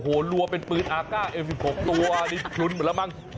โอ้โหรวมเป็นปืนอากาศ๑๖ตัวนี้หนุนเหมือนระมัง